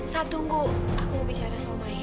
saat tunggu aku mau bicara soal maya